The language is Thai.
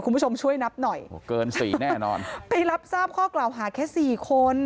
คุณผู้ชมช่วยนับหน่อยโอ้โหเกินสี่แน่นอนไปรับทราบข้อกล่าวหาแค่สี่คน